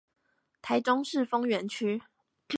台中市豐原區